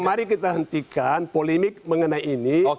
mari kita hentikan polemik mengenai ini